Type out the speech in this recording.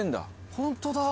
本当だ。